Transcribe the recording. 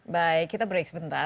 baik kita break sebentar